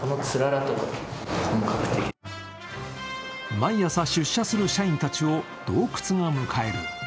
毎朝出社する社員たちを洞窟が迎える。